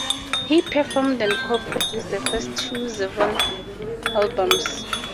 He performed and co-produced the first two Zevon albums.